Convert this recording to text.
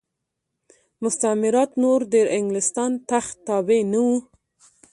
مستعمرات نور د انګلستان تخت تابع نه وو.